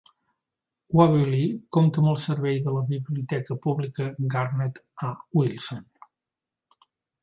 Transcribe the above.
Waverly compta amb el servei de la biblioteca pública Garnet A. Wilson.